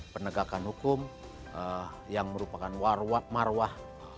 penegakan hukum yang merupakan waruah maruah